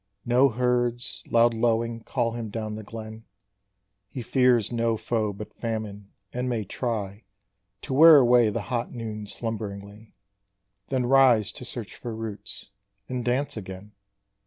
No herds, loud lowing, call him down the glen: He fears no foe but famine; and may try To wear away the hot noon slumberingly; Then rise to search for roots and dance again.